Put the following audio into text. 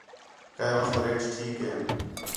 کَئے وخت ریٹ ٹھیک ہین